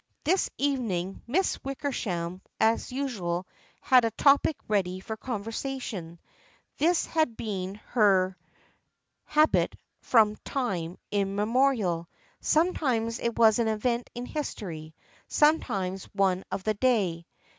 This evening Miss Wickersham as usual had a topic ready for conversation. This had been her 46 THE FRIENDSHIP OF ANNE habit from time immemorial. Sometimes it was an event in history, sometimes one of the day.